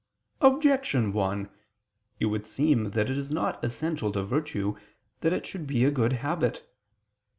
Objection 1: It would seem that it is not essential to virtue that it should be a good habit.